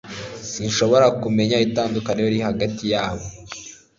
sinshobora kumenya itandukaniro riri hagati yabo